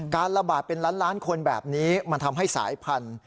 การระบาดเป็นล้านล้านคนแบบนี้มันทำให้สายพันธุ์